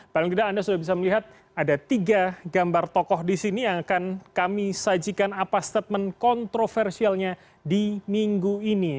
paling tidak anda sudah bisa melihat ada tiga gambar tokoh di sini yang akan kami sajikan apa statement kontroversialnya di minggu ini